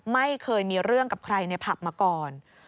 ไม่เคยมีเรื่องกับใครในผับมาก่อน